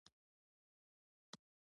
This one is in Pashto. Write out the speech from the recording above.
دوی لپاره کاري چوکاټ جوړ کړی دی.